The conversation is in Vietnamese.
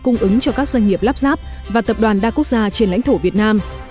cung ứng cho các doanh nghiệp lắp ráp và tập đoàn đa quốc gia trên lãnh thổ việt nam